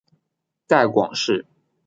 带广市